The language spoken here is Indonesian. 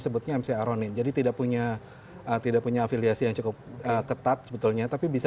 sebutnya mcaronin jadi tidak punya tidak punya afiliasi yang cukup ketat sebetulnya tapi bisa